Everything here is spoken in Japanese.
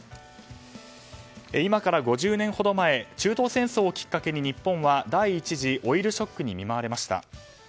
今から５０年ほど前中東戦争をきっかけに日本は第１次オイルショックに見舞われました。